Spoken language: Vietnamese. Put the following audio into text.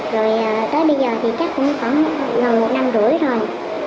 rồi tới bây giờ thì chắc cũng khoảng gần một năm rưỡi rồi